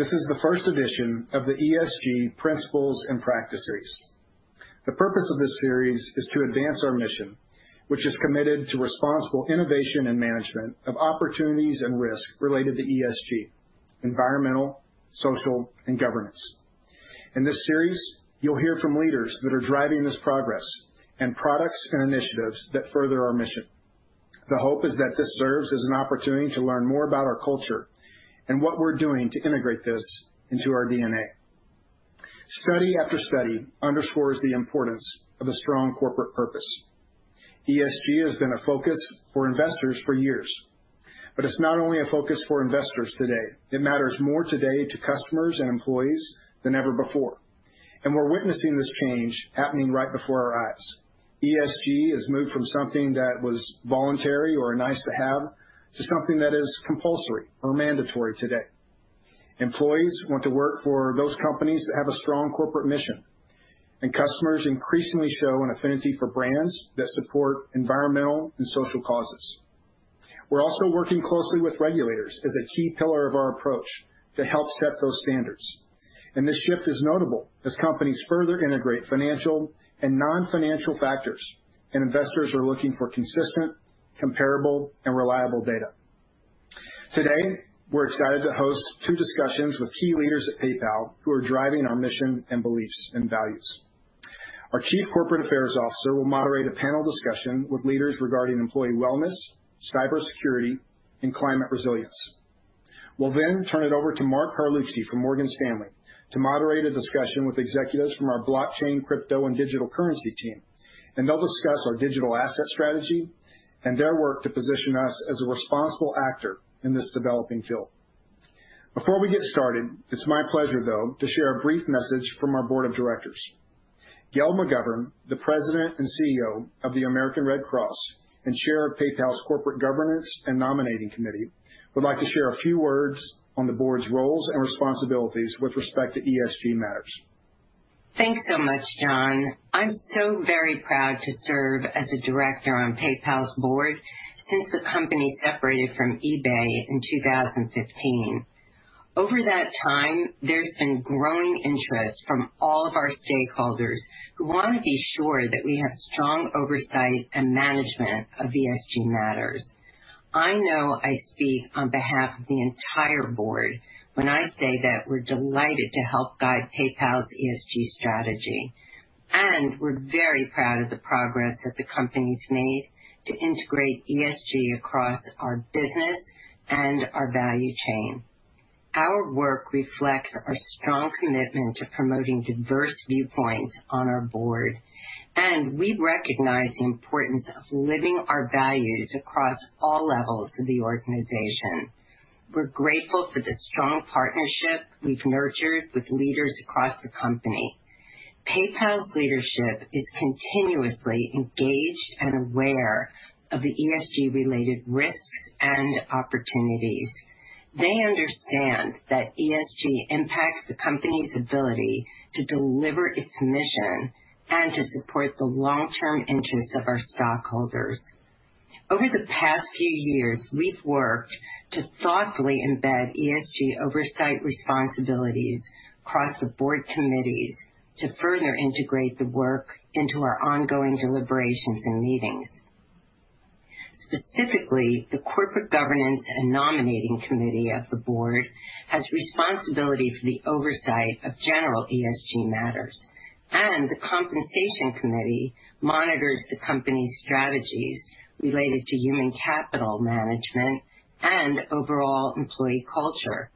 This is the first edition of the ESG Principles and Practices. The purpose of this series is to advance our mission, which is committed to responsible innovation and management of opportunities and risk related to ESG, environmental, social, and governance. In this series, you'll hear from leaders that are driving this progress and products and initiatives that further our mission. The hope is that this serves as an opportunity to learn more about our culture and what we're doing to integrate this into our DNA. Study after study underscores the importance of a strong corporate purpose. ESG has been a focus for investors for years, but it's not only a focus for investors today. It matters more today to customers and employees than ever before, and we're witnessing this change happening right before our eyes. ESG has moved from something that was voluntary or nice to have to something that is compulsory or mandatory today. Employees want to work for those companies that have a strong corporate mission, and customers increasingly show an affinity for brands that support environmental and social causes. We're also working closely with regulators as a key pillar of our approach to help set those standards. This shift is notable as companies further integrate financial and non-financial factors, and investors are looking for consistent, comparable, and reliable data. Today, we're excited to host two discussions with key leaders at PayPal who are driving our mission and beliefs and values. Our Chief Corporate Affairs Officer will moderate a panel discussion with leaders regarding employee wellness, cybersecurity, and climate resilience. We'll then turn it over to Mark Carlucci from Morgan Stanley to moderate a discussion with executives from our blockchain, crypto, and digital currency team. They'll discuss our digital asset strategy and their work to position us as a responsible actor in this developing field. Before we get started, it's my pleasure, though, to share a brief message from our board of directors. Gail McGovern, the President and CEO of the American Red Cross and Chair of PayPal's Corporate Governance and Nominating Committee, would like to share a few words on the board's roles and responsibilities with respect to ESG matters. Thanks so much, John. I'm so very proud to serve as a director on PayPal's board since the company separated from eBay in 2015. Over that time, there's been growing interest from all of our stakeholders who want to be sure that we have strong oversight and management of ESG matters. I know I speak on behalf of the entire board when I say that we're delighted to help guide PayPal's ESG strategy, and we're very proud of the progress that the company's made to integrate ESG across our business and our value chain. Our work reflects our strong commitment to promoting diverse viewpoints on our board, and we recognize the importance of living our values across all levels of the organization. We're grateful for the strong partnership we've nurtured with leaders across the company. PayPal's leadership is continuously engaged and aware of the ESG-related risks and opportunities. They understand that ESG impacts the company's ability to deliver its mission and to support the long-term interests of our stockholders. Over the past few years, we've worked to thoughtfully embed ESG oversight responsibilities across the board committees to further integrate the work into our ongoing deliberations and meetings. Specifically, the Corporate Governance and Nominating Committee of the board has responsibility for the oversight of general ESG matters, and the Compensation Committee monitors the company's strategies related to human capital management and overall employee culture.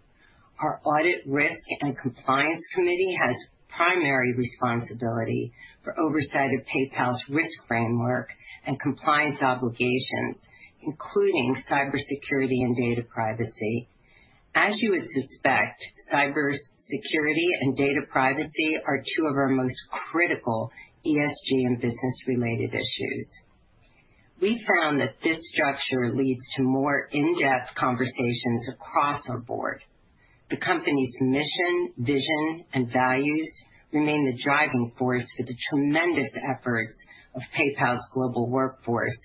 Our Audit, Risk, and Compliance Committee has primary responsibility for oversight of PayPal's risk framework and compliance obligations, including cybersecurity and data privacy. As you would suspect, cybersecurity and data privacy are two of our most critical ESG and business-related issues. We found that this structure leads to more in-depth conversations across our board. The company's mission, vision, and values remain the driving force for the tremendous efforts of PayPal's global workforce,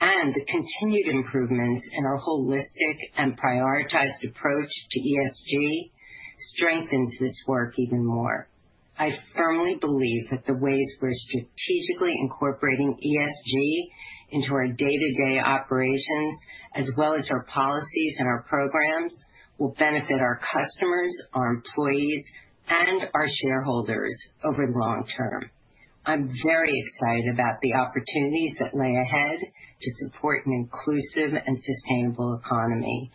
and the continued improvements in our holistic and prioritized approach to ESG strengthens this work even more. I firmly believe that the ways we're strategically incorporating ESG into our day-to-day operations, as well as our policies and our programs, will benefit our customers, our employees, and our shareholders over the long term. I'm very excited about the opportunities that lay ahead to support an inclusive and sustainable economy,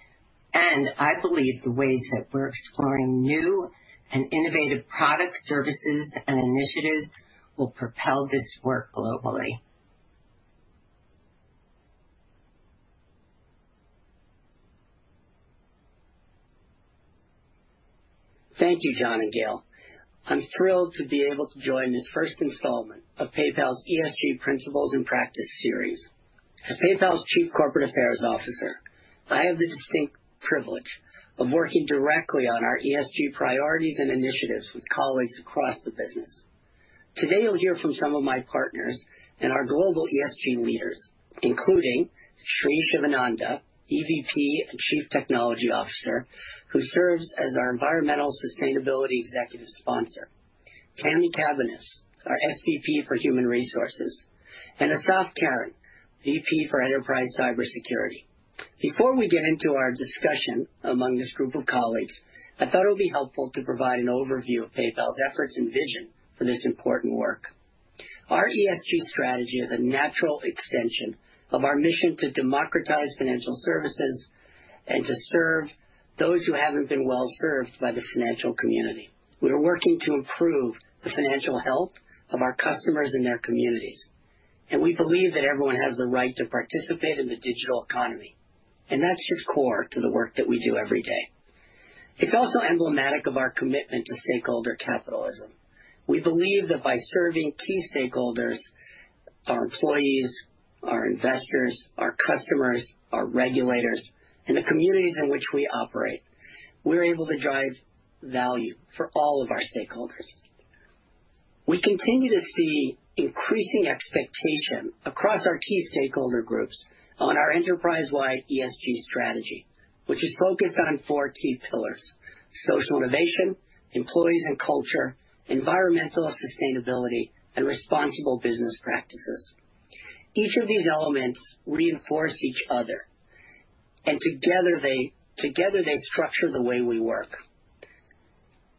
and I believe the ways that we're exploring new and innovative products, services, and initiatives will propel this work globally. Thank you, John and Gail. I'm thrilled to be able to join this first installment of PayPal's ESG Principles and Practices series. As PayPal's Chief Corporate Affairs Officer, I have the distinct privilege of working directly on our ESG priorities and initiatives with colleagues across the business. Today you'll hear from some of my partners and our global ESG leaders, including Sri Shivananda, EVP and Chief Technology Officer, who serves as our environmental sustainability executive sponsor. Tami Cabaniss, our SVP for Human Resources, and Assaf Keren, VP for Enterprise Cybersecurity. Before we get into our discussion among this group of colleagues, I thought it would be helpful to provide an overview of PayPal's efforts and vision for this important work. Our ESG strategy is a natural extension of our mission to democratize financial services and to serve those who haven't been well-served by the financial community. We are working to improve the financial health of our customers and their communities, and we believe that everyone has the right to participate in the digital economy, and that's just core to the work that we do every day. It's also emblematic of our commitment to stakeholder capitalism. We believe that by serving key stakeholders, our employees, our investors, our customers, our regulators, and the communities in which we operate, we're able to drive value for all of our stakeholders. We continue to see increasing expectation across our key stakeholder groups on our enterprise-wide ESG strategy, which is focused on four key pillars, social innovation, employees and culture, environmental sustainability, and responsible business practices. Each of these elements reinforce each other, and together they structure the way we work.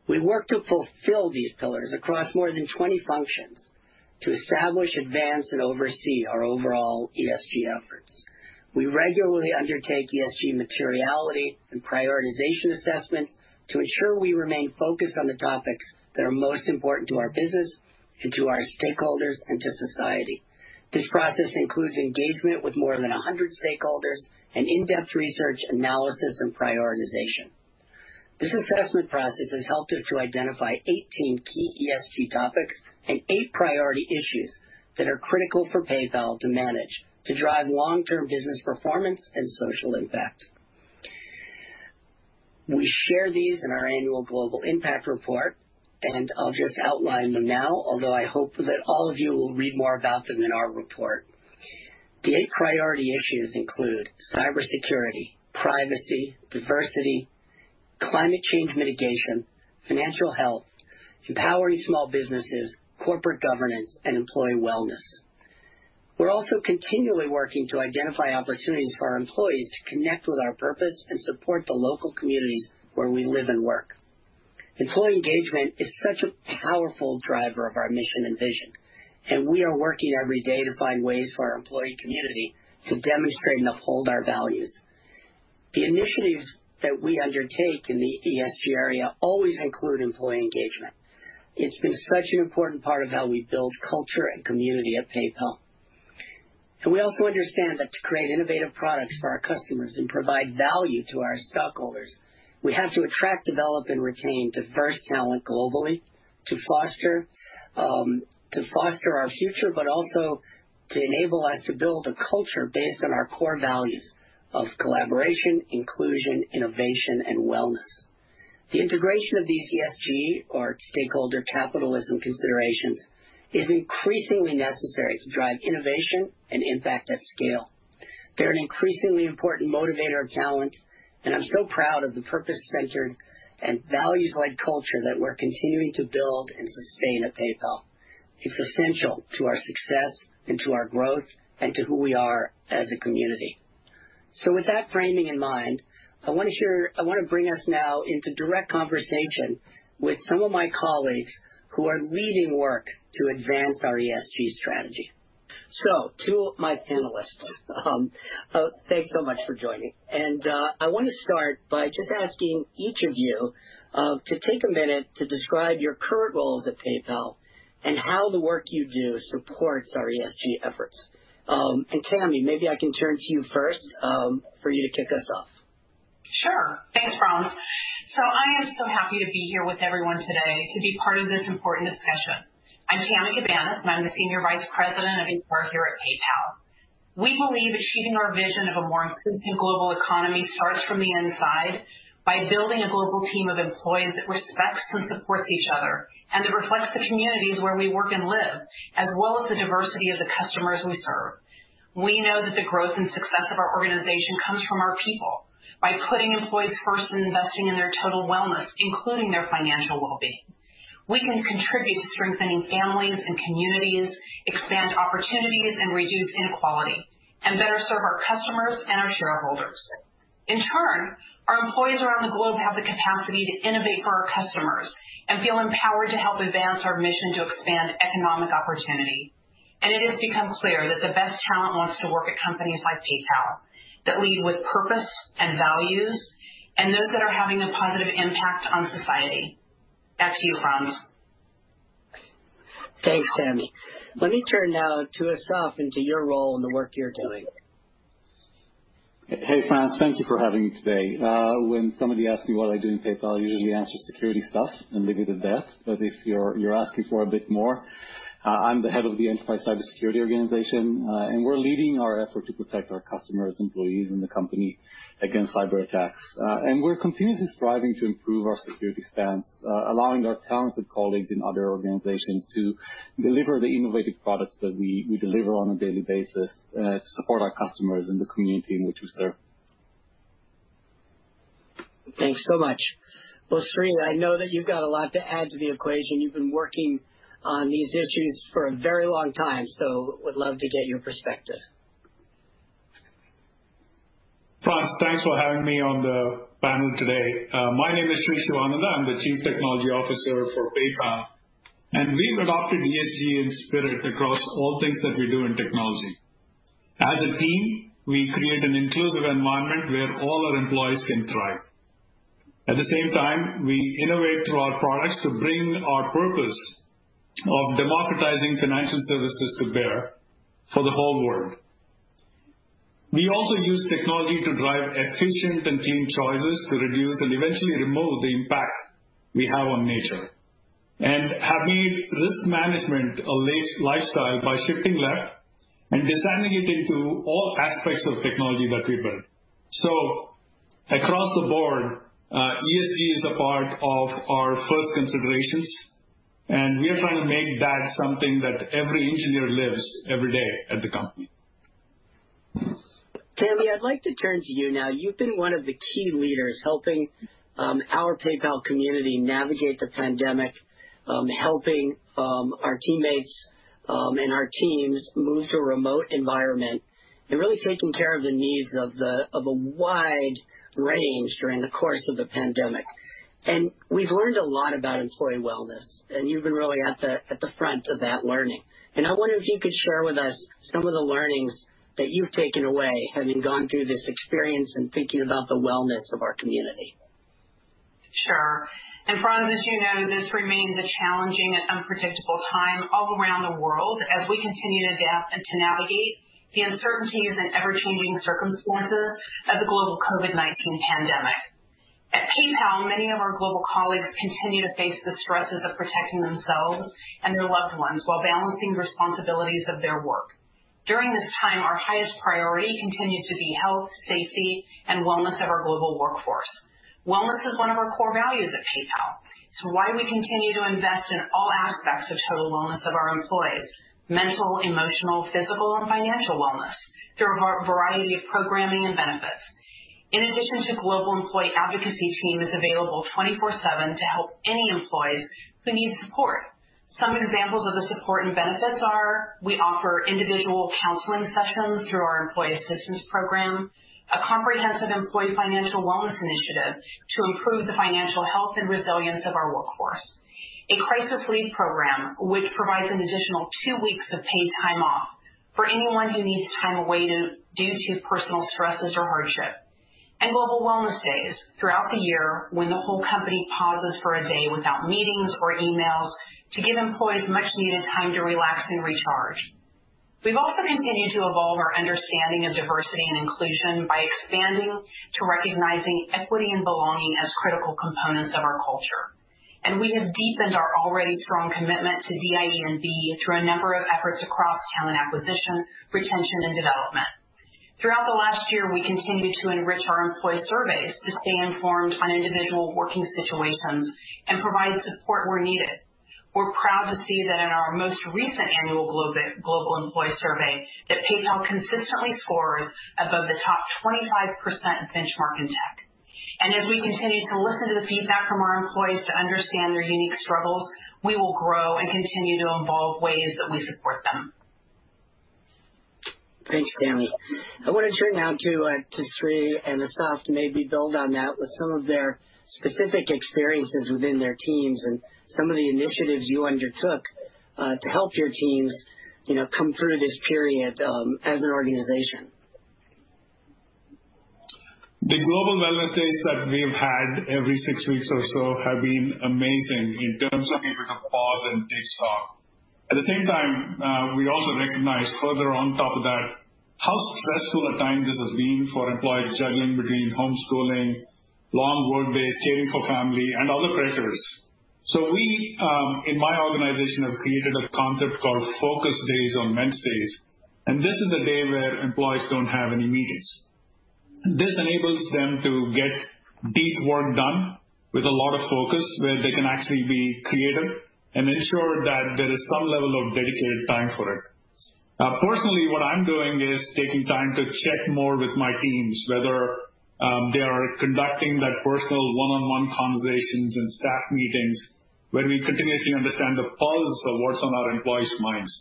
We work to fulfill these pillars across more than 20 functions to establish, advance, and oversee our overall ESG efforts. We regularly undertake ESG materiality and prioritization assessments to ensure we remain focused on the topics that are most important to our business and to our stakeholders and to society. This process includes engagement with more than 100 stakeholders and in-depth research, analysis, and prioritization. This assessment process has helped us to identify 18 key ESG topics and 8 priority issues that are critical for PayPal to manage to drive long-term business performance and social impact. We share these in our annual Global Impact Report, and I'll just outline them now, although I hope that all of you will read more about them in our report. The eight priority issues include cybersecurity, privacy, diversity, climate change mitigation, financial health, empowering small businesses, corporate governance, and employee wellness. We're also continually working to identify opportunities for our employees to connect with our purpose and support the local communities where we live and work. Employee engagement is such a powerful driver of our mission and vision, and we are working every day to find ways for our employee community to demonstrate and uphold our values. The initiatives that we undertake in the ESG area always include employee engagement. It's been such an important part of how we build culture and community at PayPal. We also understand that to create innovative products for our customers and provide value to our stockholders, we have to attract, develop, and retain diverse talent globally to foster our future, but also to enable us to build a culture based on our core values of collaboration, inclusion, innovation, and wellness. The integration of these ESG or stakeholder capitalism considerations is increasingly necessary to drive innovation and impact at scale. They're an increasingly important motivator of talent, and I'm so proud of the purpose-centered and values-led culture that we're continuing to build and sustain at PayPal. It's essential to our success and to our growth and to who we are as a community. With that framing in mind, I want to bring us now into direct conversation with some of my colleagues who are leading work to advance our ESG strategy. To my panelists, thanks so much for joining. I want to start by just asking each of you to take a minute to describe your current roles at PayPal and how the work you do supports our ESG efforts. Tami, maybe I can turn to you first for you to kick us off. Sure. Thanks, Franz. I am so happy to be here with everyone today to be part of this important discussion. I'm Tami Cabaniss, and I'm the Senior Vice President of HR here at PayPal. We believe achieving our vision of a more inclusive global economy starts from the inside by building a global team of employees that respects and supports each other and that reflects the communities where we work and live, as well as the diversity of the customers we serve. We know that the growth and success of our organization comes from our people. By putting employees first and investing in their total wellness, including their financial well-being, we can contribute to strengthening families and communities, expand opportunities, and reduce inequality, and better serve our customers and our shareholders. In turn, our employees around the globe have the capacity to innovate for our customers and feel empowered to help advance our mission to expand economic opportunity. It has become clear that the best talent wants to work at companies like PayPal that lead with purpose and values and those that are having a positive impact on society. Back to you, Franz. Thanks, Tami. Let me turn now to Assaf and to your role and the work you're doing. Hey, Franz, thank you for having me today. When somebody asks me what I do in PayPal, I usually answer security stuff and leave it at that. But if you're asking for a bit more, I'm the head of the Enterprise Cybersecurity Organization, and we're leading our effort to protect our customers, employees and the company against cyber attacks. We're continuously striving to improve our security stance, allowing our talented colleagues in other organizations to deliver the innovative products that we deliver on a daily basis, to support our customers in the community in which we serve. Thanks so much. Well, Sri, I know that you've got a lot to add to the equation. You've been working on these issues for a very long time, so would love to get your perspective. Franz, thanks for having me on the panel today. My name is Sri Shivananda. I'm the Chief Technology Officer for PayPal, and we've adopted ESG in spirit across all things that we do in technology. As a team, we create an inclusive environment where all our employees can thrive. At the same time, we innovate through our products to bring our purpose of democratizing financial services to bear for the whole world. We also use technology to drive efficient and clean choices to reduce and eventually remove the impact we have on nature, and have made risk management a lace-lifestyle by shifting left and designing it into all aspects of technology that we build. Across the board, ESG is a part of our first considerations, and we are trying to make that something that every engineer lives every day at the company. Tami, I'd like to turn to you now. You've been one of the key leaders helping our PayPal community navigate the pandemic, helping our teammates and our teams move to a remote environment and really taking care of the needs of a wide range during the course of the pandemic. We've learned a lot about employee wellness, and you've been really at the front of that learning. I wonder if you could share with us some of the learnings that you've taken away having gone through this experience and thinking about the wellness of our community. Sure. Franz, as you know, this remains a challenging and unpredictable time all around the world as we continue to adapt and to navigate the uncertainties and ever-changing circumstances of the global COVID-19 pandemic. At PayPal, many of our global colleagues continue to face the stresses of protecting themselves and their loved ones while balancing responsibilities of their work. During this time, our highest priority continues to be health, safety, and wellness of our global workforce. Wellness is one of our core values at PayPal. It's why we continue to invest in all aspects of total wellness of our employees: mental, emotional, physical and financial wellness through a variety of programming and benefits. In addition to global employee advocacy team that's available 24/7 to help any employees who need support. Some examples of the support and benefits are we offer individual counseling sessions through our employee assistance program, a comprehensive employee financial wellness initiative to improve the financial health and resilience of our workforce, a crisis leave program which provides an additional two weeks of paid time off for anyone who needs time away due to personal stresses or hardship, and global wellness days throughout the year when the whole company pauses for a day without meetings or emails to give employees much needed time to relax and recharge. We've also continued to evolve our understanding of diversity and inclusion by expanding to recognizing equity and belonging as critical components of our culture. We have deepened our already strong commitment to DEIB through a number of efforts across talent acquisition, retention and development. Throughout the last year, we continued to enrich our employee surveys to stay informed on individual working situations and provide support where needed. We're proud to see that in our most recent annual global employee survey, that PayPal consistently scores above the top 25% benchmark in tech. As we continue to listen to the feedback from our employees to understand their unique struggles, we will grow and continue to evolve ways that we support them. Thanks, Tami. I want to turn now to Sri and Assaf to maybe build on that with some of their specific experiences within their teams and some of the initiatives you undertook to help your teams, you know, come through this period as an organization. The global wellness days that we've had every six weeks or so have been amazing in terms of people to pause and take stock. At the same time, we also recognize further on top of that, how stressful a time this has been for employees juggling between homeschooling, long workdays, caring for family and other pressures. We, in my organization, have created a concept called focus days, no meetings days, and this is a day where employees don't have any meetings. This enables them to get deep work done with a lot of focus, where they can actually be creative and ensure that there is some level of dedicated time for it. Personally, what I'm doing is taking time to check more with my teams, whether they are conducting that personal one-on-one conversations and staff meetings where we continuously understand the pulse of what's on our employees' minds.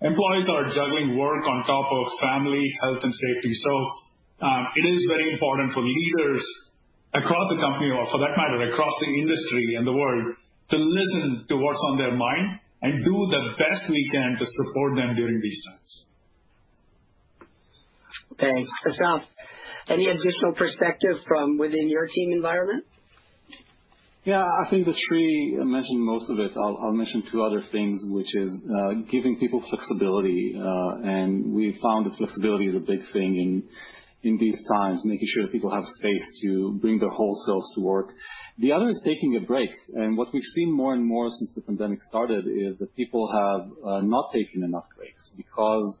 Employees are juggling work on top of family, health and safety. It is very important for leaders across the company or for that matter, across the industry and the world, to listen to what's on their mind and do the best we can to support them during these times. Thanks. Assaf, any additional perspective from within your team environment? Yeah, I think that Sri mentioned most of it. I'll mention two other things, which is giving people flexibility. We found that flexibility is a big thing in these times, making sure that people have space to bring their whole selves to work. The other is taking a break. What we've seen more and more since the pandemic started is that people have not taken enough breaks because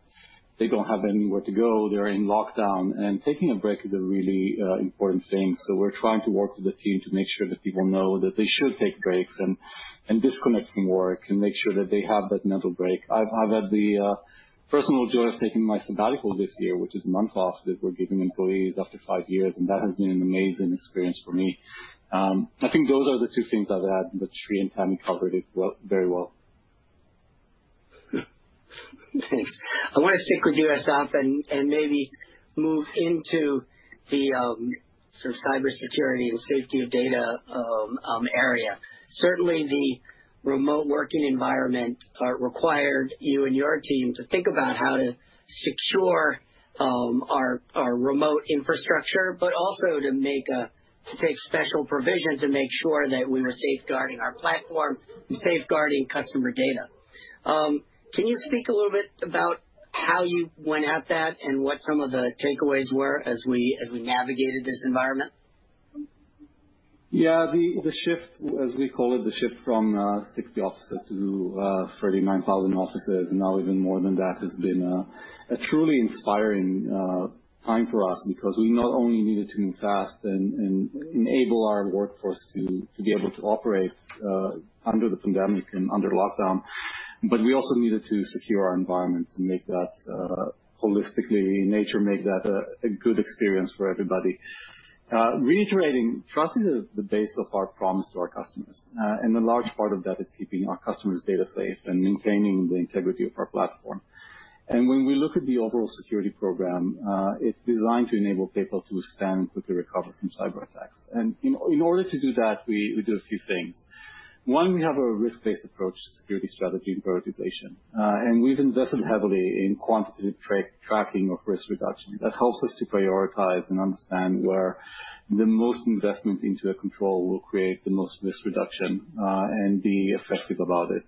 they don't have anywhere to go. They're in lockdown, and taking a break is a really important thing. We're trying to work with the team to make sure that people know that they should take breaks and disconnect from work and make sure that they have that mental break. I've had the personal joy of taking my sabbatical this year, which is a month off that we're giving employees after five years, and that has been an amazing experience for me. I think those are the two things I've had, but Sri and Tami covered it well, very well. Thanks. I wanna stick with you, Assaf, and maybe move into the sort of cybersecurity and safety of data area. Certainly, the remote working environment required you and your team to think about how to secure our remote infrastructure, but also to take special provision to make sure that we were safeguarding our platform and safeguarding customer data. Can you speak a little bit about how you went about that and what some of the takeaways were as we navigated this environment? Yeah. The shift, as we call it, the shift from 60 offices to 39,000 offices, now even more than that, has been a truly inspiring time for us because we not only needed to move fast and enable our workforce to be able to operate under the pandemic and under lockdown, but we also needed to secure our environment and make that holistically in nature, make that a good experience for everybody. Reiterating, trust is the base of our promise to our customers. A large part of that is keeping our customers' data safe and maintaining the integrity of our platform. When we look at the overall security program, it's designed to enable people to withstand and quickly recover from cyberattacks. In order to do that, we do a few things. One, we have a risk-based approach to security strategy and prioritization. We've invested heavily in quantitative tracking of risk reduction. That helps us to prioritize and understand where the most investment into a control will create the most risk reduction, and be effective about it.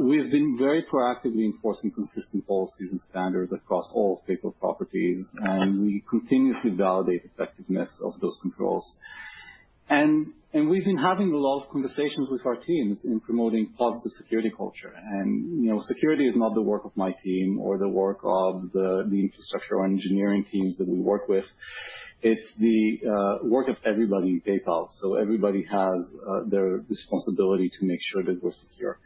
We have been very proactively enforcing consistent policies and standards across all PayPal properties, and we continuously validate effectiveness of those controls. We've been having a lot of conversations with our teams in promoting positive security culture. You know, security is not the work of my team or the work of the infrastructure or engineering teams that we work with. It's the work of everybody in PayPal, so everybody has their responsibility to make sure that we're secure.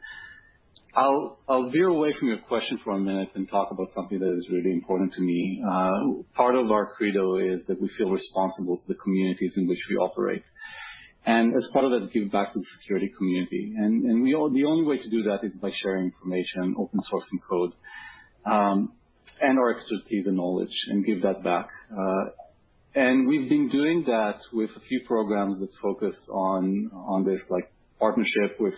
I'll veer away from your question for a minute and talk about something that is really important to me. Part of our credo is that we feel responsible to the communities in which we operate, and as part of that, give back to the security community. The only way to do that is by sharing information, open sourcing code, and our expertise and knowledge and give that back. We've been doing that with a few programs that focus on this, like partnership with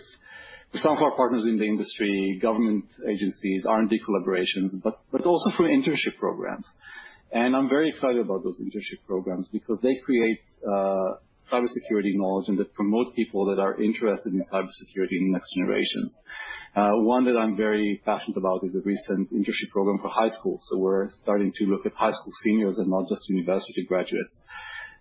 some of our partners in the industry, government agencies, R&D collaborations, but also through internship programs. I'm very excited about those internship programs because they create cybersecurity knowledge and that promote people that are interested in cybersecurity in the next generations. One that I'm very passionate about is a recent internship program for high school. We're starting to look at high school seniors and not just university graduates.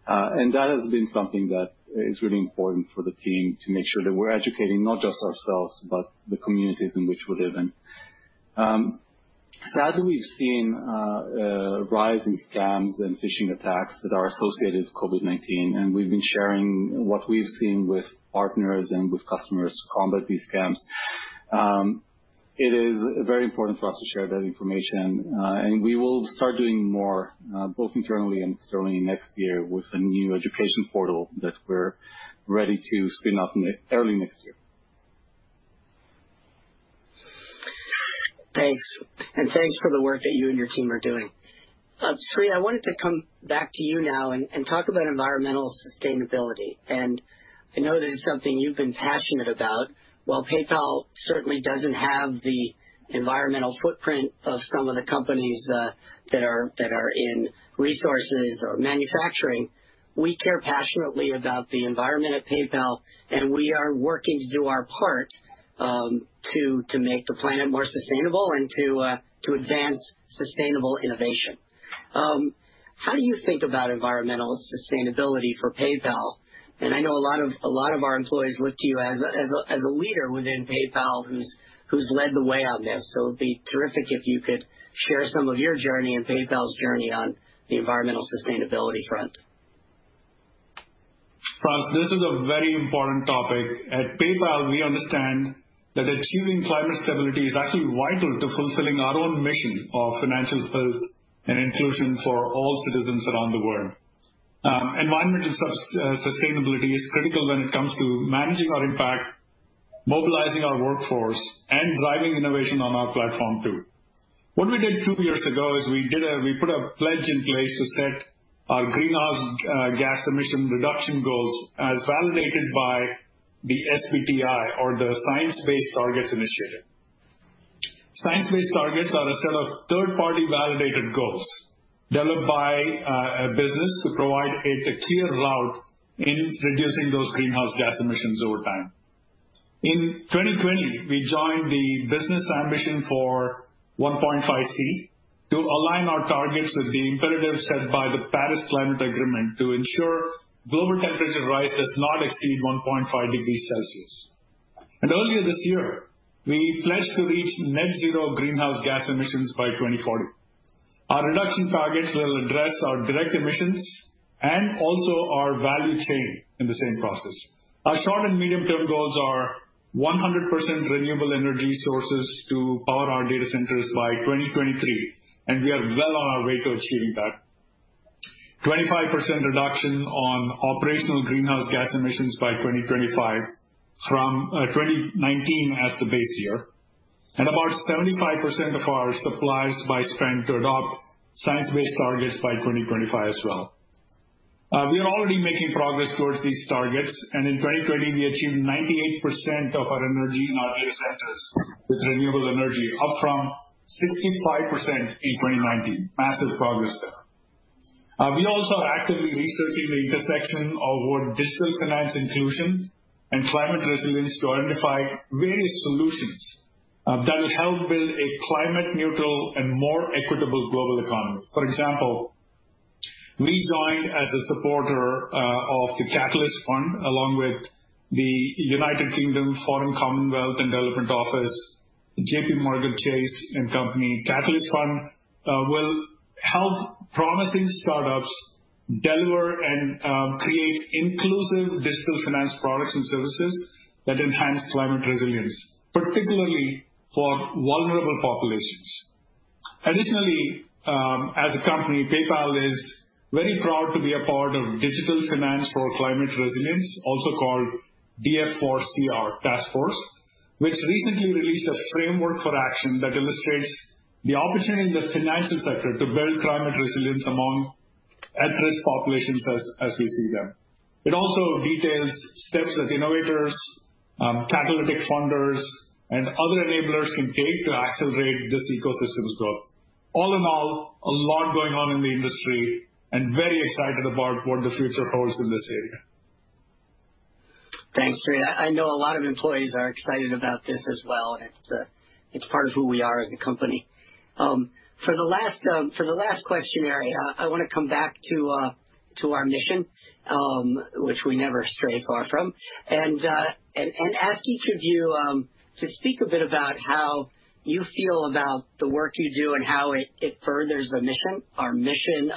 That has been something that is really important for the team to make sure that we're educating not just ourselves, but the communities in which we live in. Sadly, we've seen a rise in scams and phishing attacks that are associated with COVID-19, and we've been sharing what we've seen with partners and with customers to combat these scams. It is very important for us to share that information, and we will start doing more both internally and externally next year with a new education portal that we're ready to spin up in the early next year. Thanks. Thanks for the work that you and your team are doing. Sri, I wanted to come back to you now and talk about environmental sustainability. I know that it's something you've been passionate about. While PayPal certainly doesn't have the environmental footprint of some of the companies that are in resources or manufacturing, we care passionately about the environment at PayPal, and we are working to do our part to make the planet more sustainable and to advance sustainable innovation. How do you think about environmental sustainability for PayPal? I know a lot of our employees look to you as a leader within PayPal who's led the way on this, so it'd be terrific if you could share some of your journey and PayPal's journey on the environmental sustainability front. Franz, this is a very important topic. At PayPal, we understand that achieving climate stability is actually vital to fulfilling our own mission of financial health and inclusion for all citizens around the world. Environmental sustainability is critical when it comes to managing our impact, mobilizing our workforce, and driving innovation on our platform too. What we did two years ago is we put a pledge in place to set our greenhouse gas emission reduction goals as validated by the SBTI or the Science Based Targets initiative. Science-based targets are a set of third-party validated goals developed by a business to provide a clear route in reducing those greenhouse gas emissions over time. In 2020, we joined the Business Ambition for 1.5°C to align our targets with the imperatives set by the Paris Climate Agreement to ensure global temperature rise does not exceed 1.5 degrees celsius. Earlier this year, we pledged to reach net zero greenhouse gas emissions by 2040. Our reduction targets will address our direct emissions and also our value chain in the same process. Our short and medium-term goals are 100% renewable energy sources to power our data centers by 2023, and we are well on our way to achieving that. 25% reduction on operational greenhouse gas emissions by 2025 from 2019 as the base year. About 75% of our suppliers by spend to adopt science-based targets by 2025 as well. We are already making progress towards these targets, and in 2020 we achieved 98% of our energy in our data centers with renewable energy, up from 65% in 2019. Massive progress there. We also are actively researching the intersection of digital financial inclusion and climate resilience to identify various solutions that will help build a climate neutral and more equitable global economy. For example, we joined as a supporter of the Catalyst Fund, along with the United Kingdom Foreign, Commonwealth & Development Office, JPMorgan Chase & Co. Catalyst Fund will help promising startups deliver and create inclusive digital finance products and services that enhance climate resilience, particularly for vulnerable populations. Additionally, as a company, PayPal is very proud to be a part of Digital Finance for Climate Resilience, also called DF4CR task force, which recently released a framework for action that illustrates the opportunity in the financial sector to build climate resilience among at-risk populations as we see them. It also details steps that innovators, catalytic funders, and other enablers can take to accelerate this ecosystem's growth. All in all, a lot going on in the industry and very excited about what the future holds in this area. Thanks, Sri. I know a lot of employees are excited about this as well. It's part of who we are as a company. For the last question area, I want to come back to our mission, which we never stray far from, and ask each of you to speak a bit about how you feel about the work you do and how it furthers the mission. Our mission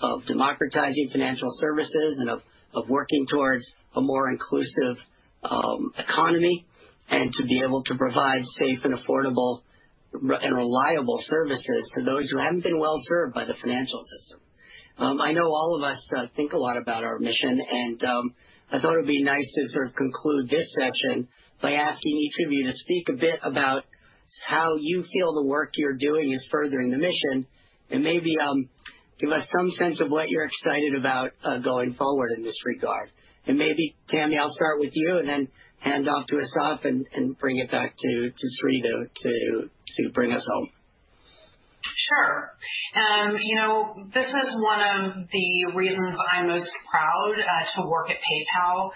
of democratizing financial services and of working towards a more inclusive economy, and to be able to provide safe and affordable and reliable services to those who haven't been well served by the financial system. I know all of us think a lot about our mission, and I thought it'd be nice to sort of conclude this session by asking each of you to speak a bit about how you feel the work you're doing is furthering the mission, and maybe give us some sense of what you're excited about going forward in this regard. Maybe, Tami, I'll start with you and then hand off to Assaf and bring it back to Sri to bring us home. Sure. You know, this is one of the reasons I'm most proud to work at PayPal.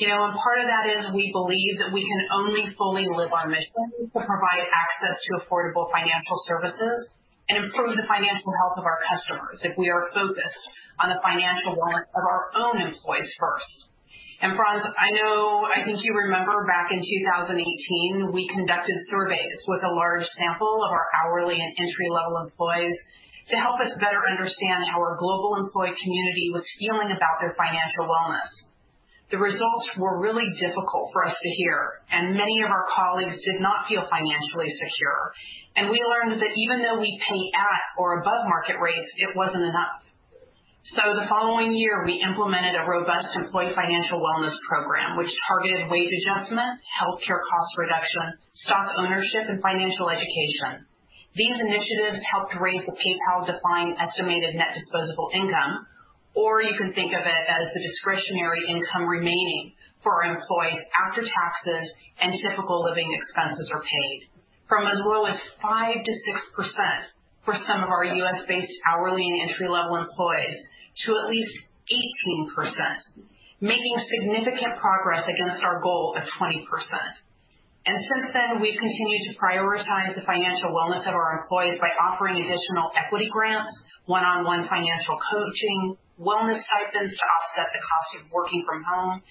You know, part of that is we believe that we can only fully live our mission to provide access to affordable financial services and improve the financial health of our customers if we are focused on the financial wellness of our own employees first. Franz, I know, I think you remember back in 2018, we conducted surveys with a large sample of our hourly and entry-level employees to help us better understand how our global employee community was feeling about their financial wellness. The results were really difficult for us to hear, and many of our colleagues did not feel financially secure. We learned that even though we pay at or above market rates, it wasn't enough. The following year, we implemented a robust employee financial wellness program, which targeted wage adjustment, healthcare cost reduction, stock ownership, and financial education. These initiatives helped raise the PayPal-defined estimated net disposable income, or you can think of it as the discretionary income remaining for our employees after taxes and typical living expenses are paid. From as low as 5%-6% for some of our U.S.-based hourly and entry-level employees to at least 18%, making significant progress against our goal of 20%. Since then, we've continued to prioritize the financial wellness of our employees by offering additional equity grants, one-on-one financial coaching, wellness stipends to offset the cost of working from home,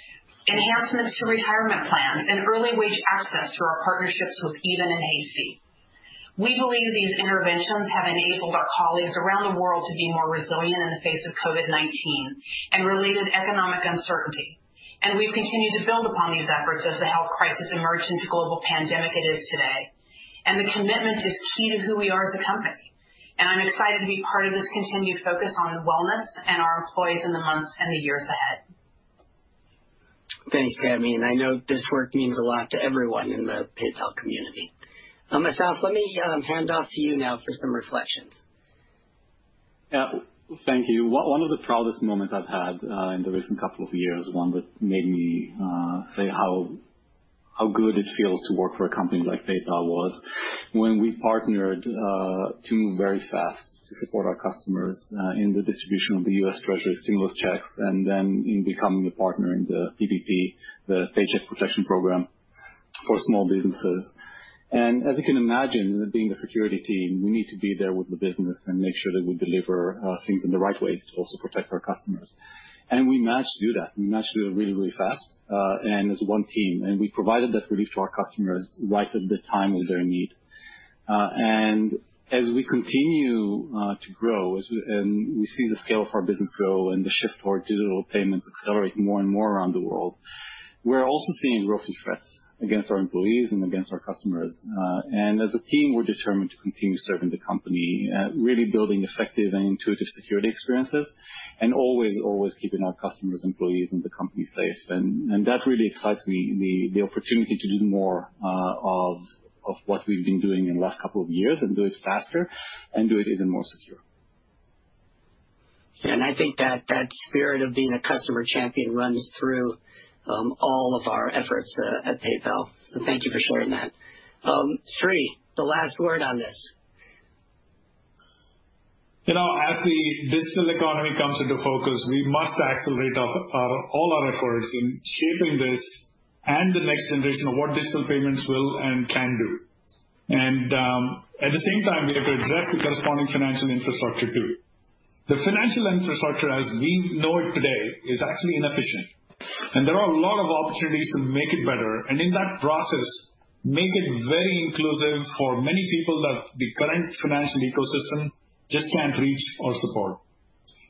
enhancements to retirement plans, and early wage access through our partnerships with Even and Hastee. We believe these interventions have enabled our colleagues around the world to be more resilient in the face of COVID-19 and related economic uncertainty. We've continued to build upon these efforts as the health crisis emerged into the global pandemic it is today. The commitment is key to who we are as a company, and I'm excited to be part of this continued focus on wellness and our employees in the months and the years ahead. Thanks, Tami, and I know this work means a lot to everyone in the PayPal community. Assaf, let me hand off to you now for some reflections. Yeah. Thank you. One of the proudest moments I've had in the recent couple of years, one that made me say how good it feels to work for a company like PayPal was when we partnered to move very fast to support our customers in the distribution of the U.S. Treasury stimulus checks and then in becoming a partner in the PPP, the Paycheck Protection Program for small businesses. As you can imagine, being the security team, we need to be there with the business and make sure that we deliver things in the right way to also protect our customers. We managed to do that. We managed to do it really fast and as one team, and we provided that relief to our customers right at the time of their need. As we continue to grow and we see the scale of our business grow and the shift toward digital payments accelerating more and more around the world, we're also seeing growth in threats against our employees and against our customers. As a team, we're determined to continue serving the company, really building effective and intuitive security experiences and always keeping our customers, employees, and the company safe. That really excites me, the opportunity to do more of what we've been doing in the last couple of years and do it faster and do it even more secure. I think that spirit of being a customer champion runs through all of our efforts at PayPal, so thank you for sharing that. Sri, the last word on this. You know, as the digital economy comes into focus, we must accelerate all our efforts in shaping this and the next generation of what digital payments will and can do. At the same time, we have to address the corresponding financial infrastructure too. The financial infrastructure as we know it today is actually inefficient, and there are a lot of opportunities to make it better, and in that process, make it very inclusive for many people that the current financial ecosystem just can't reach or support.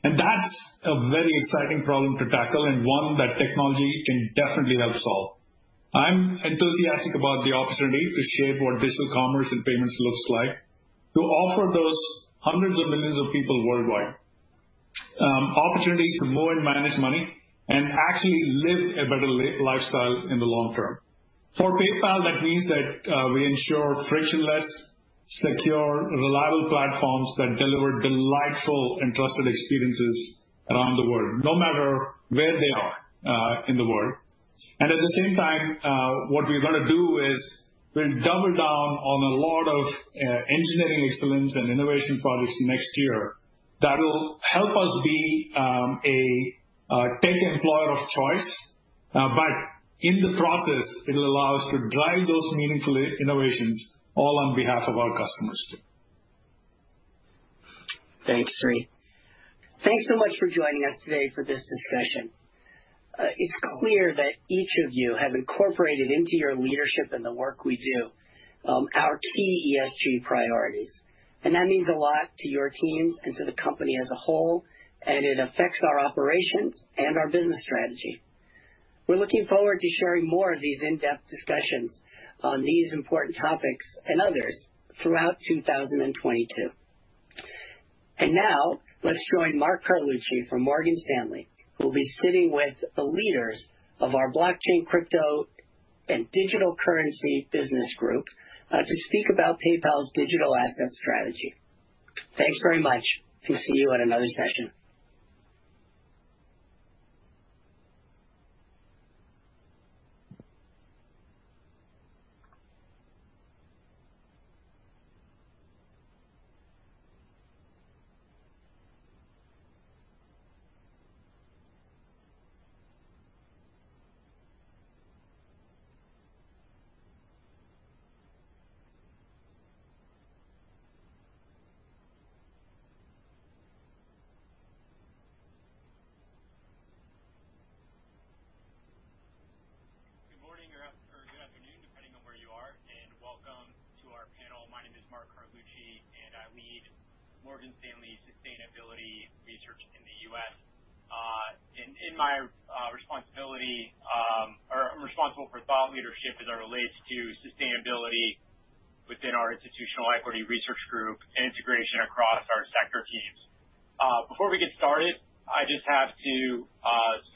That's a very exciting problem to tackle and one that technology can definitely help solve. I'm enthusiastic about the opportunity to shape what digital commerce and payments looks like, to offer those hundreds of millions of people worldwide opportunities to borrow and manage money and actually live a better lifestyle in the long term. For PayPal, that means that we ensure frictionless, secure, reliable platforms that deliver delightful and trusted experiences around the world, no matter where they are in the world. At the same time, what we're gonna do is we'll double down on a lot of engineering excellence and innovation projects next year that will help us be a tech employer of choice. But in the process, it'll allow us to drive those meaningful innovations all on behalf of our customers too. Thanks, Sri. Thanks so much for joining us today for this discussion. It's clear that each of you have incorporated into your leadership and the work we do our key ESG priorities, and that means a lot to your teams and to the company as a whole, and it affects our operations and our business strategy. We're looking forward to sharing more of these in-depth discussions on these important topics and others throughout 2022. Now let's join Mark Carlucci from Morgan Stanley, who will be sitting with the leaders of our blockchain, crypto, and digital currency business group to speak about PayPal's digital asset strategy. Thanks very much, and see you at another session. Good morning or good afternoon, depending on where you are, and welcome to our panel. My name is Mark Carlucci, and I lead Morgan Stanley Sustainability Research in the U.S. I'm responsible for thought leadership as it relates to sustainability within our institutional equity research group and integration across our sector teams. Before we get started, I just have to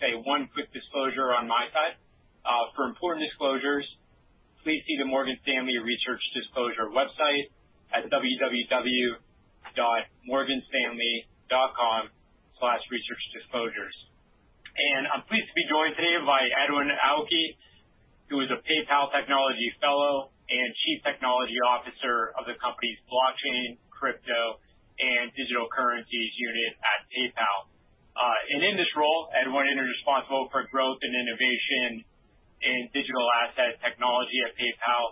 say one quick disclosure on my side. For important disclosures, please see the Morgan Stanley Research Disclosure website at morganstanley.com/researchdisclosures. I'm pleased to be joined today by Edwin Aoki, who is a PayPal Technology Fellow and Chief Technology Officer of the company's Blockchain, Crypto, and Digital Currencies unit at PayPal. In this role, Edwin is responsible for growth and innovation in digital asset technology at PayPal.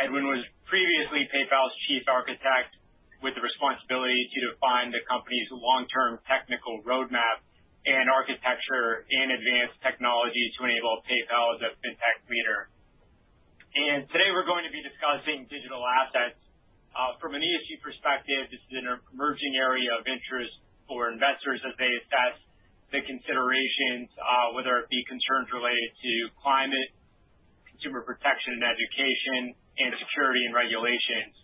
Edwin Aoki was previously PayPal's Chief Architect with the responsibility to define the company's long-term technical roadmap and architecture in advanced technology to enable PayPal as a fintech leader. Today we're going to be discussing digital assets. From an ESG perspective, this is an emerging area of interest for investors as they assess the considerations, whether it be concerns related to climate, consumer protection and education, and security and regulations.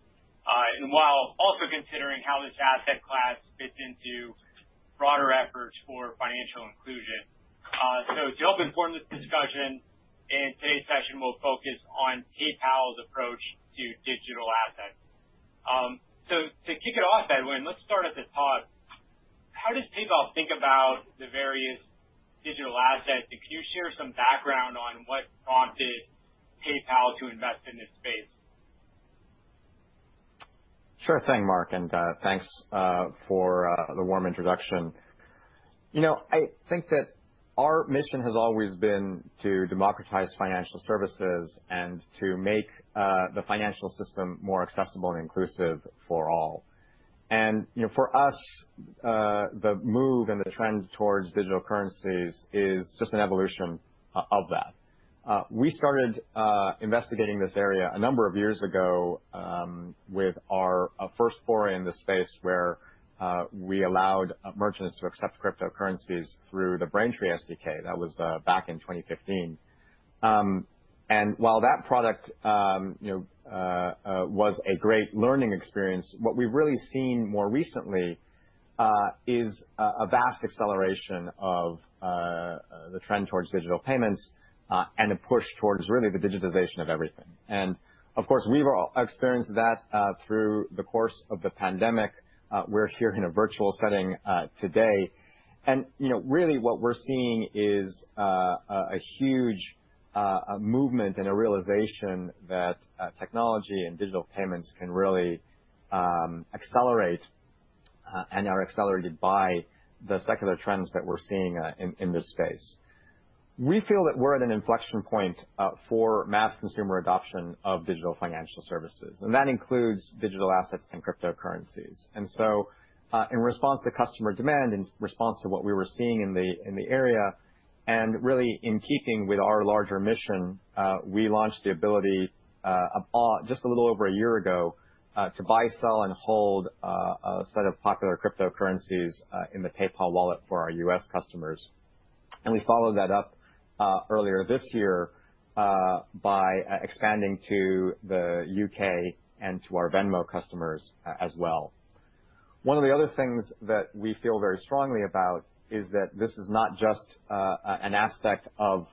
While also considering how this asset class fits into broader efforts for financial inclusion. To help inform this discussion, today's session will focus on PayPal's approach to digital assets. To kick it off, Edwin Aoki, let's start at the top. How does PayPal think about the various digital assets? Can you share some background on what prompted PayPal to invest in this space? Sure thing, Mark, and thanks for the warm introduction. You know, I think that our mission has always been to democratize financial services and to make the financial system more accessible and inclusive for all. You know, for us, the move and the trend towards digital currencies is just an evolution of that. We started investigating this area a number of years ago, with our first foray in the space where we allowed merchants to accept cryptocurrencies through the Braintree SDK. That was back in 2015. While that product, you know, was a great learning experience, what we've really seen more recently is a vast acceleration of the trend towards digital payments, and a push towards really the digitization of everything. Of course, we've all experienced that through the course of the pandemic. We're here in a virtual setting today. You know, really what we're seeing is a huge movement and a realization that technology and digital payments can really accelerate and are accelerated by the secular trends that we're seeing in this space. We feel that we're at an inflection point for mass consumer adoption of digital financial services, and that includes digital assets and cryptocurrencies. In response to customer demand, in response to what we were seeing in the area, and really in keeping with our larger mission, we launched the ability just a little over a year ago to buy, sell, and hold a set of popular cryptocurrencies in the PayPal wallet for our U.S. customers. We followed that up earlier this year by expanding to the U.K. and to our Venmo customers as well. One of the other things that we feel very strongly about is that this is not just an aspect of,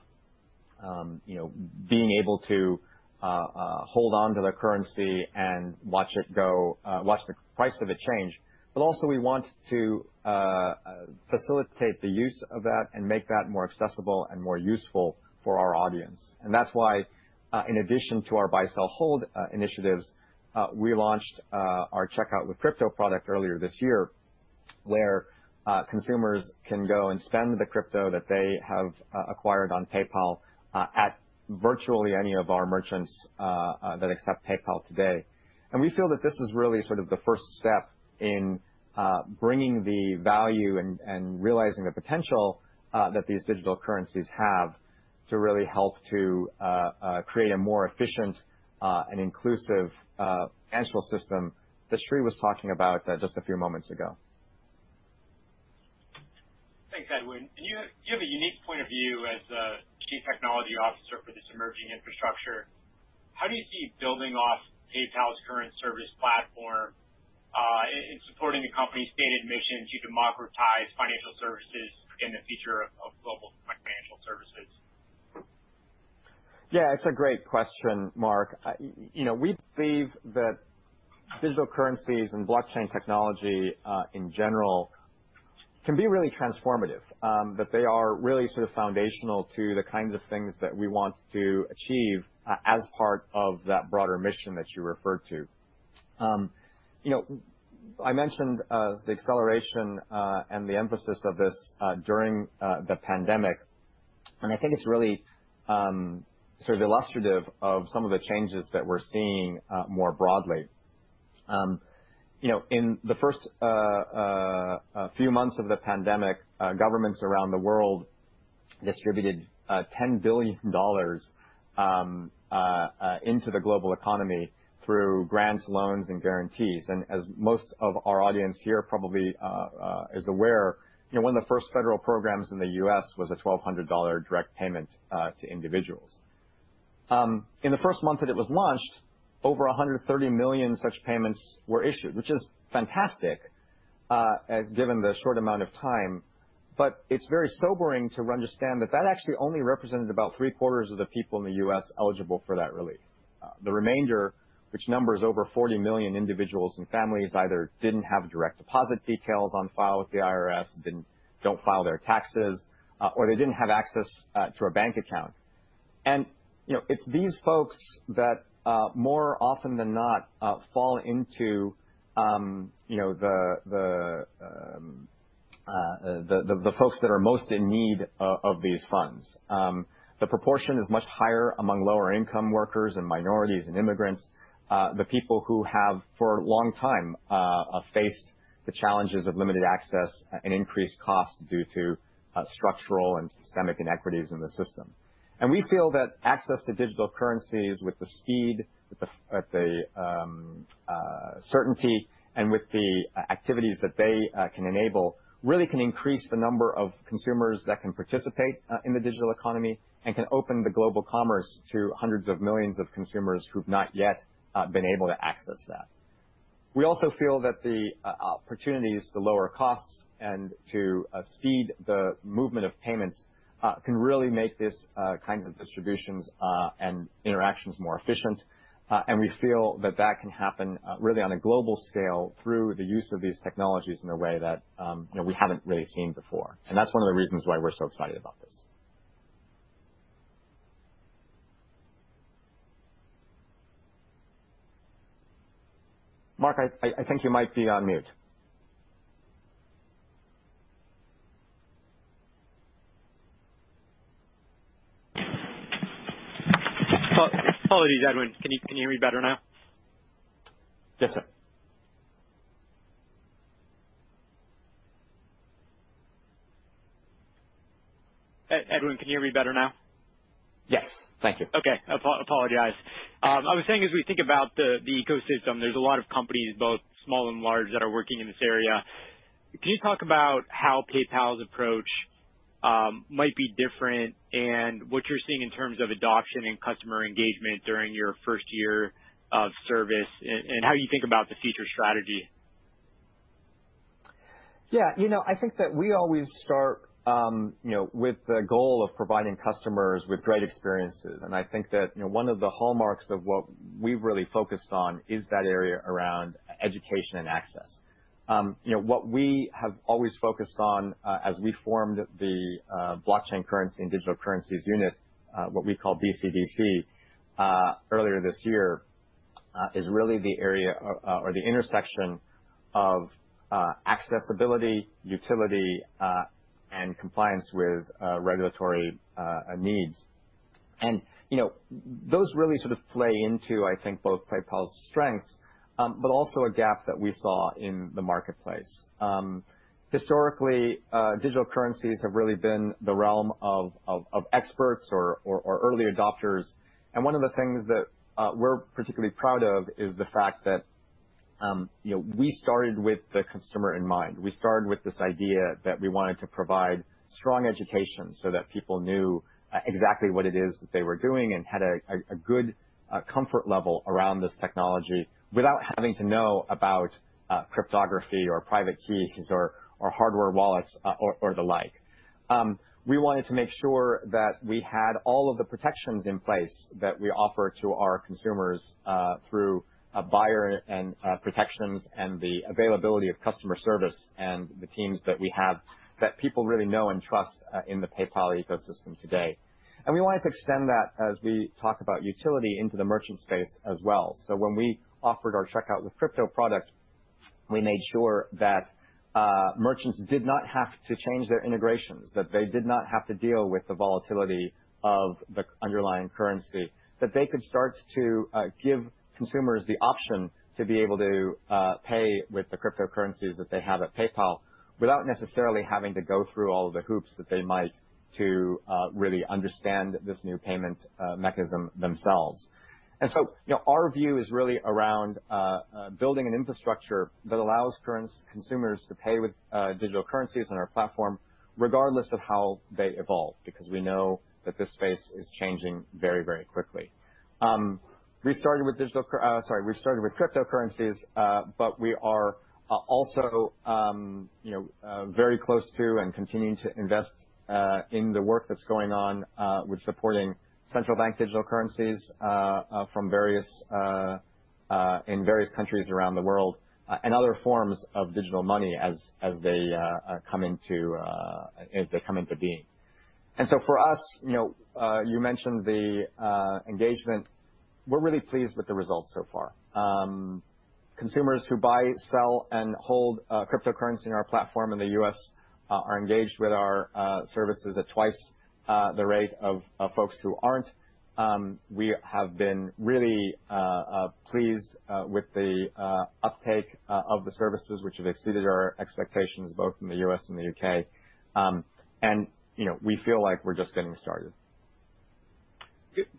you know, being able to hold on to the currency and watch it go, watch the price of it change. also we want to facilitate the use of that and make that more accessible and more useful for our audience. That's why, in addition to our buy, sell, hold initiatives, we launched our Checkout with Crypto product earlier this year, where consumers can go and spend the crypto that they have acquired on PayPal at virtually any of our merchants that accept PayPal today. We feel that this is really sort of the first step in bringing the value and realizing the potential that these digital currencies have to really help to create a more efficient and inclusive financial system that Sri was talking about just a few moments ago. Thanks, Edwin. You have a unique point of view as Chief Technology Officer for this emerging infrastructure. How do you see building off PayPal's current service platform in supporting the company's stated mission to democratize financial services in the future of global financial services? Yeah, it's a great question, Mark. You know, we believe that digital currencies and blockchain technology in general can be really transformative, that they are really sort of foundational to the kinds of things that we want to achieve as part of that broader mission that you referred to. You know, I mentioned the acceleration and the emphasis of this during the pandemic, and I think it's really sort of illustrative of some of the changes that we're seeing more broadly. You know, in the first few months of the pandemic, governments around the world distributed $10 billion into the global economy through grants, loans, and guarantees. As most of our audience here probably is aware, you know, one of the first federal programs in the U.S. was a $1,200 direct payment to individuals. In the first month that it was launched, over 130 million such payments were issued, which is fantastic, as given the short amount of time. It's very sobering to understand that that actually only represented about three-quarters of the people in the U.S. eligible for that relief. The remainder, which numbers over 40 million individuals and families, either didn't have direct deposit details on file with the IRS, don't file their taxes, or they didn't have access to a bank account. You know, it's these folks that, more often than not, fall into, you know, the folks that are most in need of these funds. The proportion is much higher among lower income workers and minorities and immigrants, the people who have for a long time faced the challenges of limited access and increased costs due to structural and systemic inequities in the system. We feel that access to digital currencies with the speed, with the certainty and with the activities that they can enable really can increase the number of consumers that can participate in the digital economy and can open the global commerce to hundreds of millions of consumers who've not yet been able to access that. We also feel that the opportunities to lower costs and to speed the movement of payments can really make these kinds of distributions and interactions more efficient. We feel that that can happen really on a global scale through the use of these technologies in a way that, you know, we haven't really seen before. That's one of the reasons why we're so excited about this. Mark, I think you might be on mute. Apologies, Edwin. Can you hear me better now? Yes, sir. Edwin, can you hear me better now? Yes. Thank you. Okay. I was saying as we think about the ecosystem, there's a lot of companies, both small and large, that are working in this area. Can you talk about how PayPal's approach might be different and what you're seeing in terms of adoption and customer engagement during your first year of service and how you think about the future strategy? Yeah. You know, I think that we always start, you know, with the goal of providing customers with great experiences. I think that, you know, one of the hallmarks of what we've really focused on is that area around education and access. You know, what we have always focused on, as we formed the Blockchain Currency and Digital Currencies unit, what we call BCDC, earlier this year, is really the area or the intersection of accessibility, utility, and compliance with regulatory needs. You know, those really sort of play into, I think, both PayPal's strengths, but also a gap that we saw in the marketplace. Historically, digital currencies have really been the realm of experts or early adopters. One of the things that we're particularly proud of is the fact that, you know, we started with the consumer in mind. We started with this idea that we wanted to provide strong education so that people knew exactly what it is that they were doing and had a good comfort level around this technology without having to know about cryptography or private keys or hardware wallets or the like. We wanted to make sure that we had all of the protections in place that we offer to our consumers through buyer and seller protections and the availability of customer service and the teams that we have that people really know and trust in the PayPal ecosystem today. We wanted to extend that as we talk about utility into the merchant space as well. When we offered our Checkout with Crypto product, we made sure that merchants did not have to change their integrations, that they did not have to deal with the volatility of the underlying currency, that they could start to give consumers the option to be able to pay with the cryptocurrencies that they have at PayPal without necessarily having to go through all the hoops that they might to really understand this new payment mechanism themselves. You know, our view is really around building an infrastructure that allows consumers to pay with digital currencies on our platform regardless of how they evolve, because we know that this space is changing very, very quickly. We started with cryptocurrencies, but we are also, you know, very close to and continuing to invest in the work that's going on with supporting central bank digital currencies from various countries around the world, and other forms of digital money as they come into being. For us, you know, you mentioned the engagement. We're really pleased with the results so far. Consumers who buy, sell, and hold cryptocurrency in our platform in the U.S. are engaged with our services at twice the rate of folks who aren't. We have been really pleased with the uptake of the services which have exceeded our expectations, both in the U.S. and the U.K. You know, we feel like we're just getting started.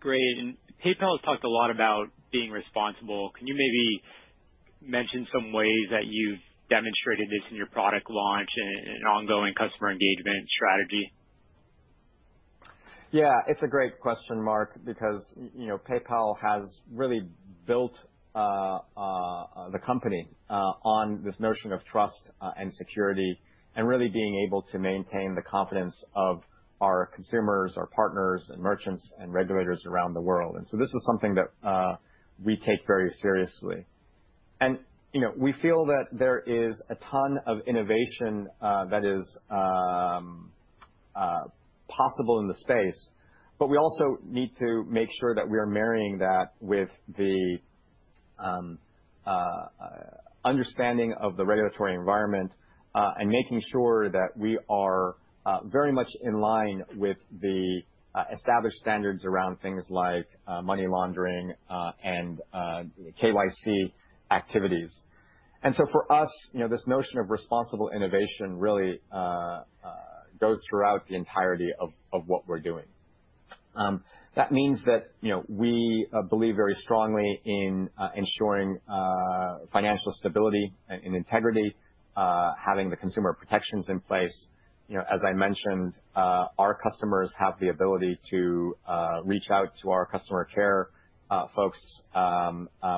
Great. PayPal has talked a lot about being responsible. Can you maybe mention some ways that you've demonstrated this in your product launch and ongoing customer engagement strategy? Yeah. It's a great question, Mark, because you know, PayPal has really built the company on this notion of trust and security and really being able to maintain the confidence of our consumers, our partners and merchants and regulators around the world. This is something that we take very seriously. You know, we feel that there is a ton of innovation that is possible in the space, but we also need to make sure that we are marrying that with the understanding of the regulatory environment and making sure that we are very much in line with the established standards around things like money laundering and KYC activities. For us, you know, this notion of responsible innovation really goes throughout the entirety of what we're doing. That means that, you know, we believe very strongly in ensuring financial stability and integrity, having the consumer protections in place. You know, as I mentioned, our customers have the ability to reach out to our customer care folks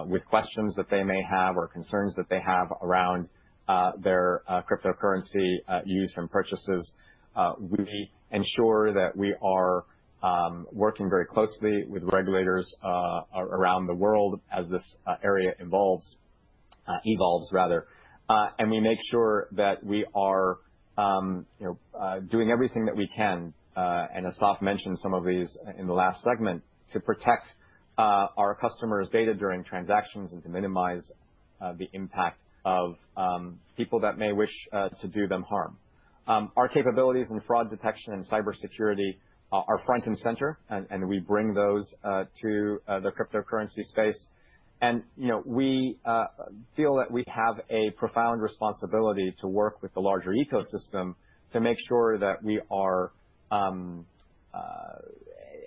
with questions that they may have or concerns that they have around their cryptocurrency use and purchases. We ensure that we are working very closely with regulators around the world as this area evolves rather. We make sure that we are, you know, doing everything that we can, and Assaf mentioned some of these in the last segment to protect our customers' data during transactions and to minimize the impact of people that may wish to do them harm. Our capabilities in fraud detection and cybersecurity are front and center, and we bring those to the cryptocurrency space. You know, we feel that we have a profound responsibility to work with the larger ecosystem to make sure that we are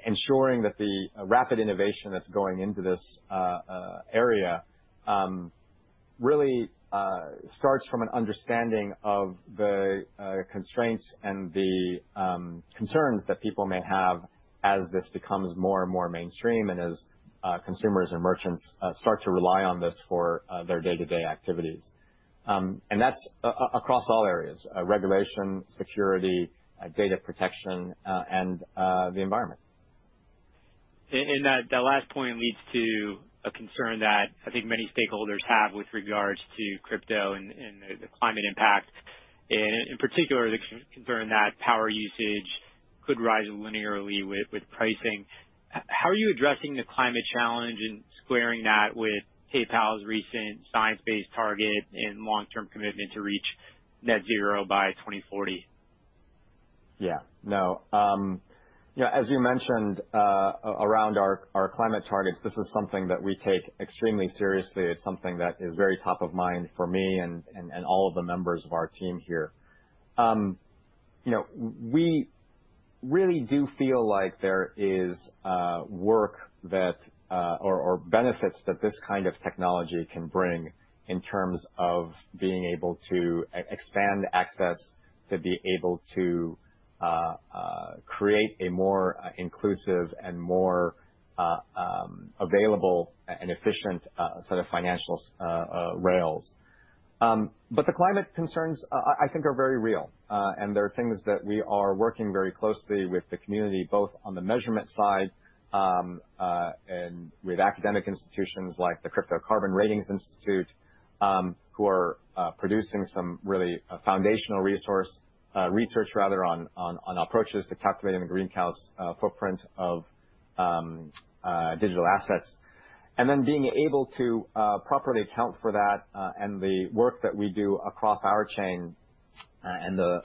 ensuring that the rapid innovation that's going into this area really starts from an understanding of the constraints and the concerns that people may have as this becomes more and more mainstream and as consumers and merchants start to rely on this for their day-to-day activities. That's across all areas, regulation, security, data protection, and the environment. That last point leads to a concern that I think many stakeholders have with regards to crypto and the climate impact, in particular, the concern that power usage could rise linearly with pricing. How are you addressing the climate challenge and squaring that with PayPal's recent science-based target and long-term commitment to reach net zero by 2040? Yeah. No. You know, as you mentioned, around our climate targets, this is something that we take extremely seriously. It's something that is very top of mind for me and all of the members of our team here. You know, we really do feel like there is benefits that this kind of technology can bring in terms of being able to expand access, to be able to create a more inclusive and more available and efficient set of financial rails. The climate concerns I think are very real. There are things that we are working very closely with the community, both on the measurement side, and with academic institutions like the Crypto Carbon Ratings Institute, who are producing some really foundational research rather on approaches to calculating the greenhouse footprint of digital assets. Being able to properly account for that, and the work that we do across our chain, and the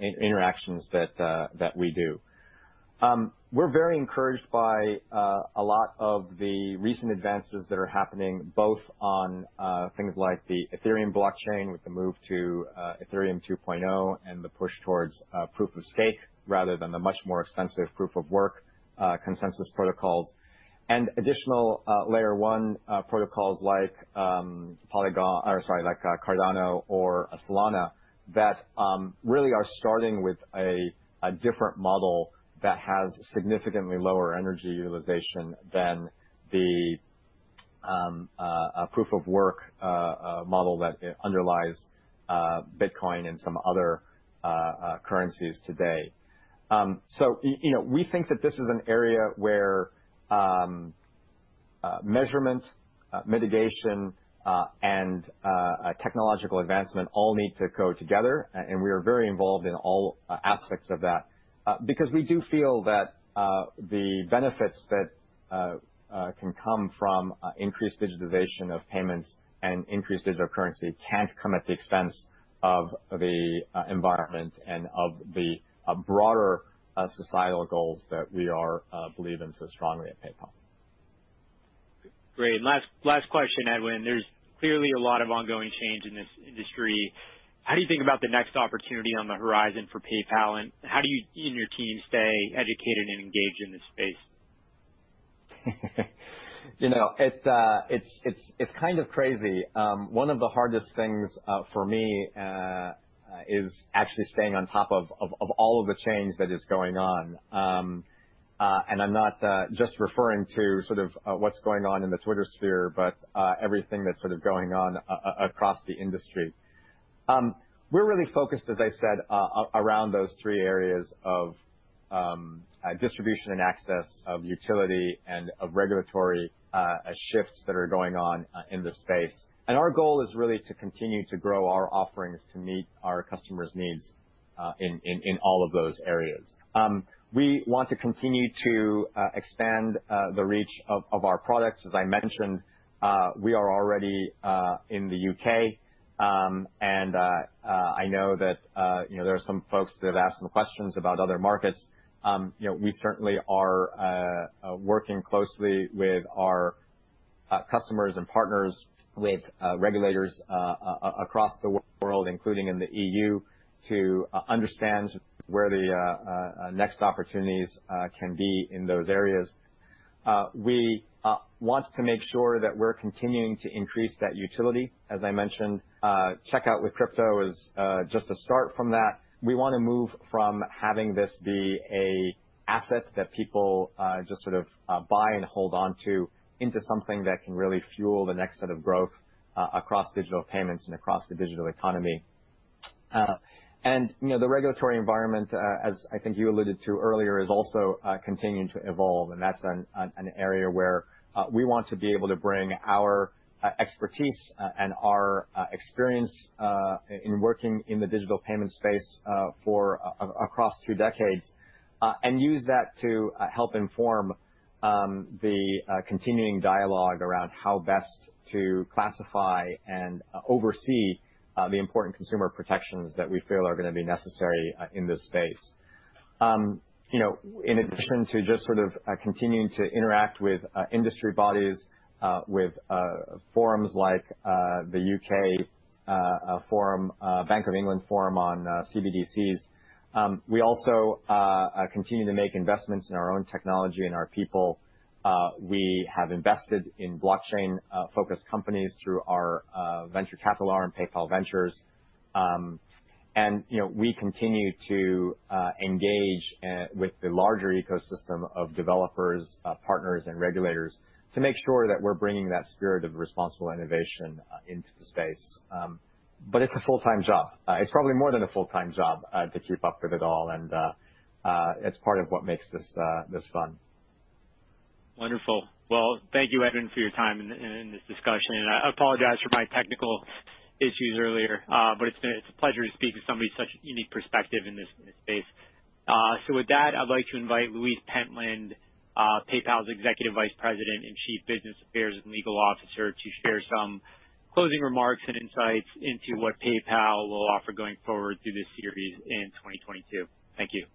interactions that we do. We're very encouraged by a lot of the recent advances that are happening both on things like the Ethereum blockchain with the move to Ethereum 2.0 and the push towards proof of stake rather than the much more extensive proof of work consensus protocols. Additional layer one protocols like Cardano or Solana that really are starting with a different model that has significantly lower energy utilization than the proof of work model that underlies Bitcoin and some other currencies today. You know, we think that this is an area where measurement, mitigation, and technological advancement all need to go together, and we are very involved in all aspects of that. Because we do feel that the benefits that can come from increased digitization of payments and increased cryptocurrency can't come at the expense of the environment and of the broader societal goals that we believe in so strongly at PayPal. Great. Last question, Edwin. There's clearly a lot of ongoing change in this industry. How do you think about the next opportunity on the horizon for PayPal, and how do you and your team stay educated and engaged in this space? You know, it's kind of crazy. One of the hardest things for me is actually staying on top of all of the change that is going on. I'm not just referring to sort of what's going on in the Twitter sphere, but everything that's sort of going on across the industry. We're really focused, as I said, around those three areas of distribution and access, of utility, and of regulatory shifts that are going on in this space. Our goal is really to continue to grow our offerings to meet our customers' needs in all of those areas. We want to continue to expand the reach of our products. As I mentioned, we are already in the U.K., and I know that you know, there are some folks that have asked some questions about other markets. You know, we certainly are working closely with our customers and partners with regulators across the world, including in the E.U., to understand where the next opportunities can be in those areas. We want to make sure that we're continuing to increase that utility. As I mentioned, Checkout with Crypto is just a start from that. We wanna move from having this be an asset that people just sort of buy and hold onto, into something that can really fuel the next set of growth across digital payments and across the digital economy. You know, the regulatory environment, as I think you alluded to earlier, is also continuing to evolve, and that's an area where we want to be able to bring our expertise and our experience in working in the digital payment space across two decades, and use that to help inform the continuing dialogue around how best to classify and oversee the important consumer protections that we feel are gonna be necessary in this space. You know, in addition to just sort of continuing to interact with industry bodies, with forums like the U.K. forum, Bank of England forum on CBDCs. We also continue to make investments in our own technology and our people. We have invested in blockchain-focused companies through our venture capital arm, PayPal Ventures. You know, we continue to engage with the larger ecosystem of developers, partners, and regulators to make sure that we're bringing that spirit of responsible innovation into the space. It's a full-time job. It's probably more than a full-time job to keep up with it all, and it's part of what makes this fun. Wonderful. Well, thank you, Edwin, for your time in this discussion. I apologize for my technical issues earlier, but it's been a pleasure to speak with somebody with such a unique perspective in this space. With that, I'd like to invite Louise Pentland, PayPal's Executive Vice President and Chief Business Affairs and Legal Officer, to share some closing remarks and insights into what PayPal will offer going forward through this series in 2022. Thank you.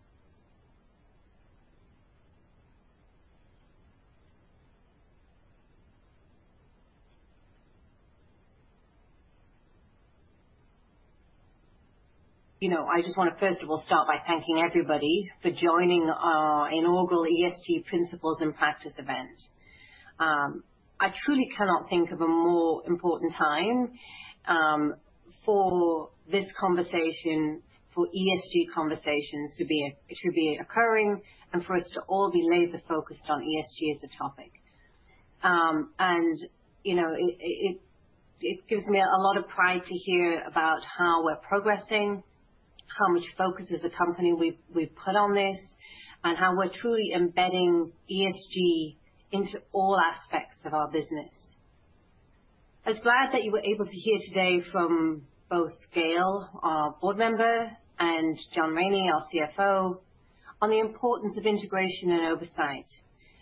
You know, I just wanna, first of all, start by thanking everybody for joining our inaugural ESG Principles and Practices event. I truly cannot think of a more important time for this conversation, for ESG conversations to be occurring and for us to all be laser focused on ESG as a topic. You know, it gives me a lot of pride to hear about how we're progressing, how much focus as a company we've put on this, and how we're truly embedding ESG into all aspects of our business. I'm glad that you were able to hear today from both Gail, our board member, and John Rainey, our CFO, on the importance of integration and oversight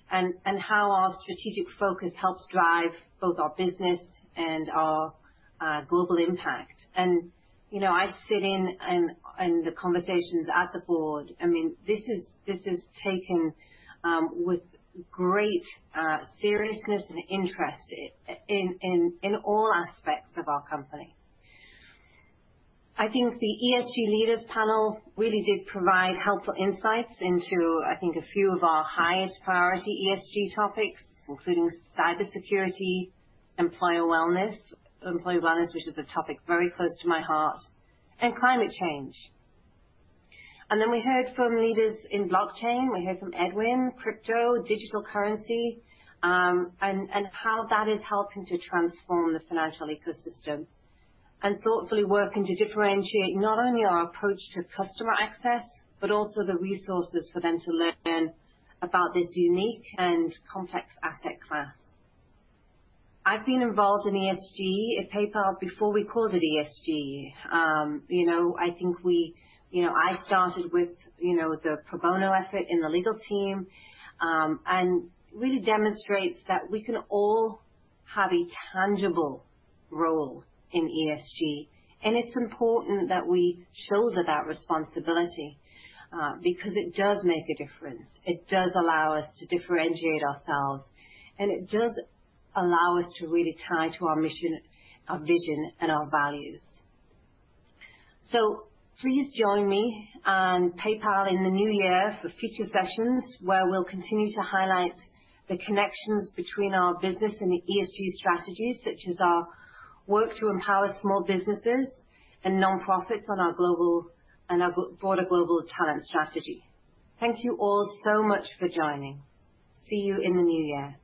and how our strategic focus helps drive both our business and our global impact. You know, I sit in on the conversations at the board. I mean, this is taken with great seriousness and interest in all aspects of our company. I think the ESG leaders panel really did provide helpful insights into, I think, a few of our highest priority ESG topics, including cybersecurity, employer wellness, employee wellness, which is a topic very close to my heart, and climate change. We heard from leaders in blockchain. We heard from Edwin, crypto, digital currency, and how that is helping to transform the financial ecosystem and thoughtfully working to differentiate not only our approach to customer access, but also the resources for them to learn about this unique and complex asset class. I've been involved in ESG at PayPal before we called it ESG. You know, I think we... You know, I started with, you know, the pro bono effort in the legal team. Really demonstrates that we can all have a tangible role in ESG. It's important that we shoulder that responsibility, because it does make a difference. It does allow us to differentiate ourselves, and it does allow us to really tie to our mission, our vision, and our values. Please join me on PayPal in the new year for future sessions where we'll continue to highlight the connections between our business and the ESG strategies, such as our work to empower small businesses and nonprofits and our broader global talent strategy. Thank you all so much for joining. See you in the new year.